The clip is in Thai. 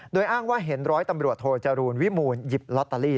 โดยอ้างว่าเห็นร้อยตำรวจโทจรูลวิมูลหยิบลอตเตอรี่